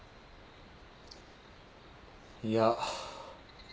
いや。